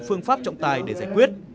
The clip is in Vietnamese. phương pháp trọng tài để giải quyết